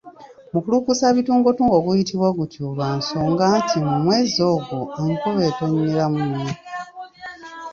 Mukulukusabitungotungo guyitibwa gutyo lwa nsonga nti mu mwezi ogwo enkuba etonyeramu nnyo.